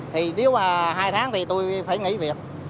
thì nếu mà hai tháng thì tôi phải nghỉ việc